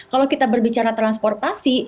kalau kita berbicara transportasi